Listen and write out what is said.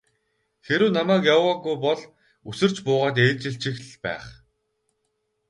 Хэрэв намайг яваагүй бол үсэрч буугаад ээлжилчих л байх.